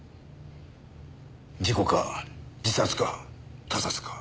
事故か自殺か他殺か。